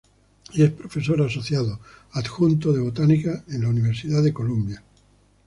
Y es profesor asociado adjunto de Botánica en la Universidad de Columbia.